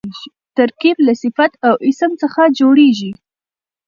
ترکیب له صفت او اسم څخه جوړېږي.